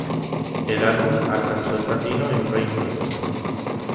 El álbum alcanzó el platino en Reino Unido.